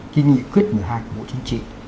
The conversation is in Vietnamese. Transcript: cái nghị quyết một mươi hai của bộ chính trị